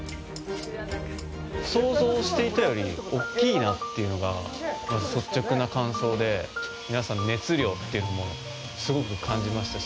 想像していたより大きいなというのがまず率直な感想で、皆さんの熱量というのもすごく感じましたし。